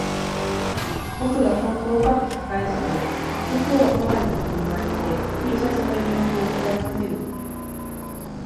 僕が本当かと聞き返すと、きっと今日は来ないと君は言って、Ｔ シャツの襟元をはためかせる